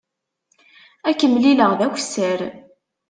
Ad k-mlileɣ d akessar.